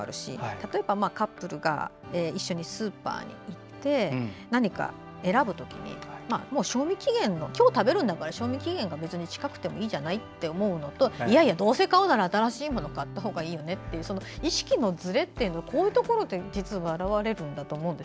例えば、カップルが一緒にスーパーに行って何か選ぶ時に今日食べるんだから賞味期限は別に近くてもいいじゃない？って思う人といやいや、どうせ買うなら新しいもの買ったほうがいいよねっていう意識のずれってそういうところから始まると思うんです。